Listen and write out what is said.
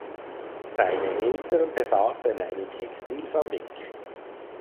Seine Eltern besaßen eine Textilfabrik.